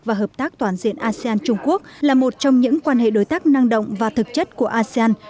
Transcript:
và hợp tác toàn diện asean trung quốc là một trong những quan hệ đối tác năng động và thực chất của asean